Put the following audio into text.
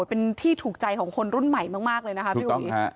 เป็นที่ถูกใจของคนรุ่นใหม่มากมากเลยนะคะถูกต้องค่ะอืม